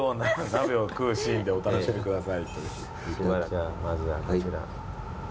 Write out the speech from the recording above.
じゃあまずはこちら。